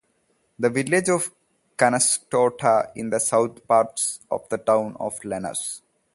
The village of Canastota is in the south part of the Town of Lenox.